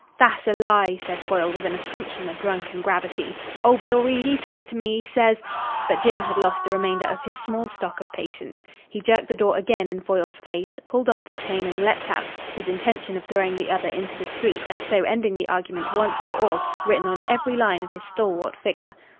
"Tha'ss a lie," said Foyle, with an assumption of drunken gravity. "Old Bill Reid he says to me, he says " But Jim had lost the remainder of his small stock of patience. He jerked the door again in Foyle's face, pulled off the chain and leapt out, his intention of throwing the other into the street and so ending the argument once for all written on every line of his stalwart figure.